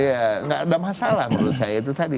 ya nggak ada masalah menurut saya itu tadi